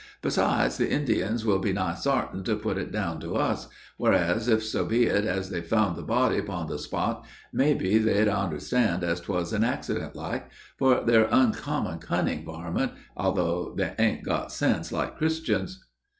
Besides, the Indians will be high sartain to put it down to us; whereas, if so be as they'd found the body 'pon the spot, may be they'd onderstand as 'twas an accident like, for they 're unkimmon cunning warmint, though they an't got sense like Christians."